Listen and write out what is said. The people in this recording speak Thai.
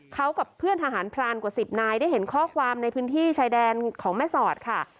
เขากับเพื่อนทหารพรานกว่า๑๐นายได้เห็นข้อความในพื้นที่ชายแดนของแม่สอดค่ะ